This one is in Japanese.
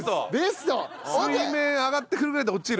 水面上がってくるぐらいで落ちる。